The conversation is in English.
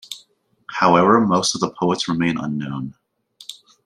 However, most of the poets remain unknown.